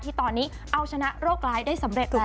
ที่ตอนนี้เอาชนะโรคร้ายได้สำเร็จ